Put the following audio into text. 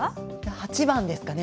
８番ですかね